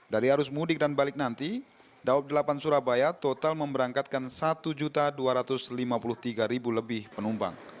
dari arus mudik dan balik nanti daob delapan surabaya total memberangkatkan satu dua ratus lima puluh tiga lebih penumpang